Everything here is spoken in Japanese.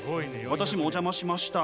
私もお邪魔しました。